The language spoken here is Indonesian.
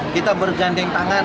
kita bergandeng tangan